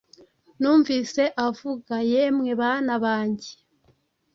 numvise avuga Yemwe bana banjye